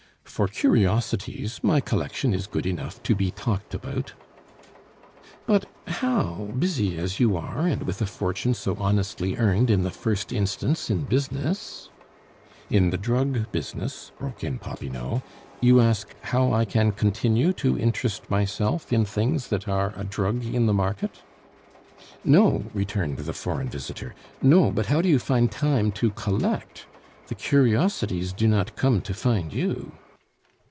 For curiosities, my collection is good enough to be talked about " "But how, busy as you are, and with a fortune so honestly earned in the first instance in business " "In the drug business," broke in Popinot; "you ask how I can continue to interest myself in things that are a drug in the market " "No," returned the foreign visitor, "no, but how do you find time to collect? The curiosities do not come to find you."